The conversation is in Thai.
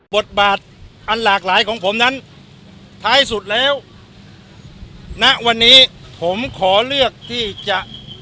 บทบาทอันหลากหลายของผมนั้นท้ายสุดแล้วณวันนี้ผมขอเลือกที่จะ